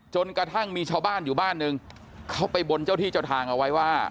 จนกระทั่งมีชาวบ้านอยู่บ้านหนึ่งเขาไปบนเจ้าที่เจ้าทางเอาไว้ว่า